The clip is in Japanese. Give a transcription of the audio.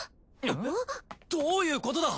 どういうことだ？